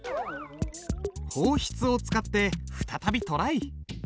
方筆を使って再びトライ！